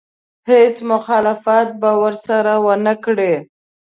هېڅ مخالفت به ورسره ونه کړي.